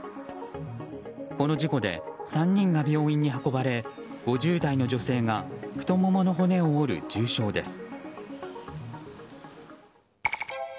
この事故で３人が病院に運ばれ５０代の女性が太ももの骨を折る重傷です。